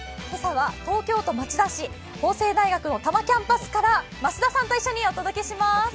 今朝は東京都町田市法政大学多摩キャンパスから増田さんと一緒にお届けします。